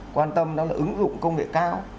quan tâm đó là ứng dụng công nghệ cao